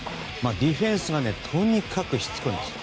ディフェンスがとにかくしつこいんです。